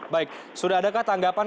baik sudah adakah tanggapan